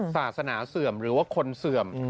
ศาสนาเสื่อมหรือว่าคนเสื่อม